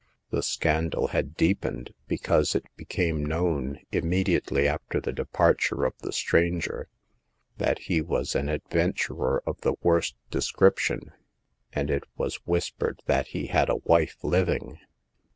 The scandal had deepened, be cause it became known, immediately after the departure of the stranger, that he was an ad venturer of the worst description, and it was whispered that he had a wife living.